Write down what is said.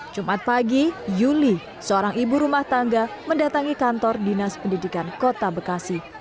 jumat pagi yuli seorang ibu rumah tangga mendatangi kantor dinas pendidikan kota bekasi